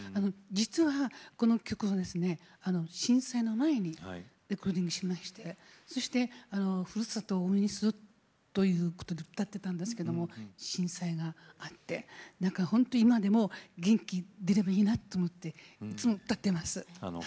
実は、この曲は震災の前に作りましてふるさとを応援するということで歌っていたんですが震災があって本当に今でも元気出ればいいなと思っていつも歌っています。